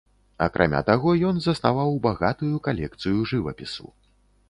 Акрамя таго ён заснаваў багатую калекцыю жывапісу.